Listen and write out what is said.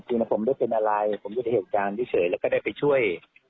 จริงแล้วผมไม่ได้เป็นอะไรผมอยู่ในเหตุการณ์เฉยแล้วก็ได้ไปช่วย